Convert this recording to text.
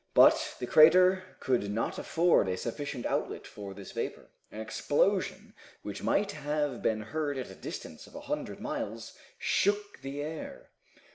But the crater could not afford a sufficient outlet for this vapor. An explosion, which might have been heard at a distance of a hundred miles, shook the air.